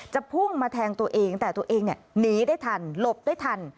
พุ่งมาแทงตัวเองแต่ตัวเองหนีได้ทันหลบได้ทัน